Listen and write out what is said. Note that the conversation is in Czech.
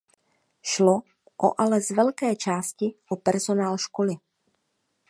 Šlo o ale z velké části o personál školy.